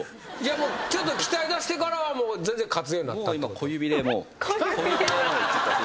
ちょっと鍛えだしてからはもう全然勝つようになったってこと？